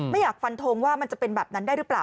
ไม่อยากฟันทงว่ามันจะเป็นแบบนั้นได้หรือเปล่า